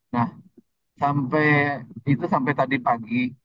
nah sampai itu sampai tadi pagi